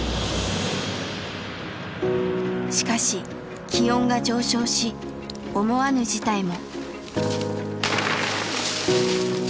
しかし気温が上昇し思わぬ事態も。